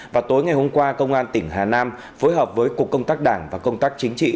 và tối ngày hôm qua công an tỉnh hà nam phối hợp với cục công tác đảng và công tác chính trị